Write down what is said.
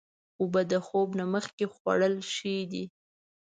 اوبه د خوب نه مخکې خوړل ښې دي.